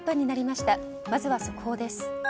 まずは速報です。